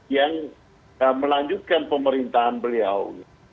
yang melanjutkan pemerintahan beliau